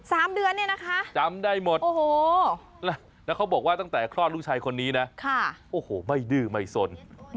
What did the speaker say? สามเดือนเนี่ยนะคะจำได้หมดโอ้โหแล้วเขาบอกว่าตั้งแต่คลอดลูกชายคนนี้นะค่ะโอ้โหไม่ดื้อไม่สน